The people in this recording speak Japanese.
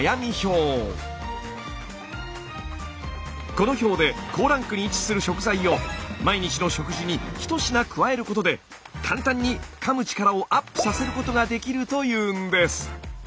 この表で高ランクに位置する食材を毎日の食事に１品加えることで簡単にかむ力をアップさせることができるというんです。